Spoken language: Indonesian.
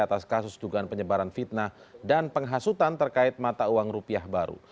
atas kasus dugaan penyebaran fitnah dan penghasutan terkait mata uang rupiah baru